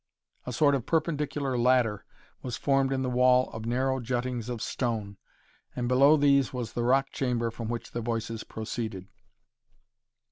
A sort of perpendicular ladder was formed in the wall of narrow juttings of stone, and below these was the rock chamber from which the voices proceeded.